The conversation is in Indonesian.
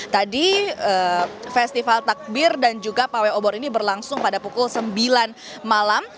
tadi festival takbir dan juga pawai obor ini berlangsung pada pukul sembilan malam